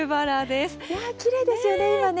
きれいですよね、今ね。